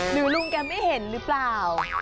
ลุงแกไม่เห็นหรือเปล่า